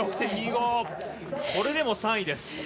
これでも３位です。